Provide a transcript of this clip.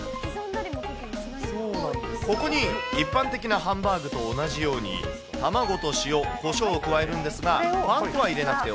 ここに一般的なハンバーグと同じように、卵と塩、こしょうを加えるんですが、パン粉は入れなくてＯＫ。